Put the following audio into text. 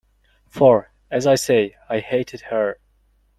For, as I say, I hated her.